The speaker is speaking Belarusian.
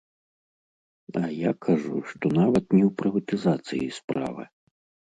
А я кажу, што нават не ў прыватызацыі справа.